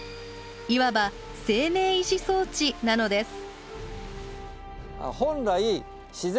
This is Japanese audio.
いわば生命維持装置なのです。